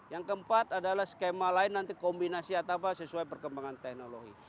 yang keempat adalah skema lain nanti kombinasi atau apa sesuai perkembangan teknologi